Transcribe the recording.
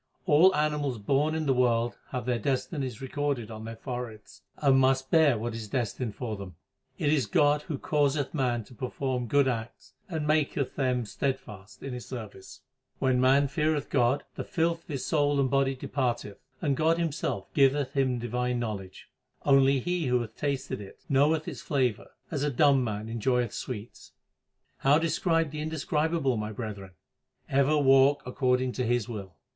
All animals born in the world have their destinies recorded on their foreheads, and must bear what is destined for them. 1 He who is in deep and silent meditation. 2 The great supreme Being. 334 THE SIKH RELIGION It is God who causeth man to perform good acts and maketh them steadfast in His service. When man feareth God, the filth of his soul and body departeth, and God Himself giveth him divine knowledge: Only he who hath tasted it, knoweth its flavour, as a dumb man enjoyeth sweets. 1 How describe the Indescribable, my brethren ? Ever walk according to His will.